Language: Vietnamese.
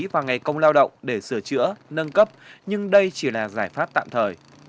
và ngày công lao động để sửa chữa nâng cấp nhưng đây chỉ là giải pháp tạm thời